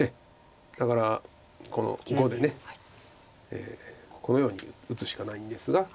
だからこの⑤でこのように打つしかないんですが。